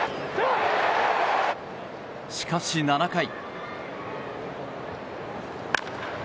しかし、７回。